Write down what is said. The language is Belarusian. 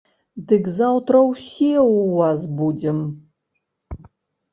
Дык заўтра ўсе ў вас будзем.